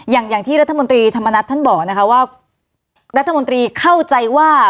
อย่างที่รัฐมนตรีธรรมนัฐท่านบอกนะคะว่ารัฐมนตรีเข้าใจว่า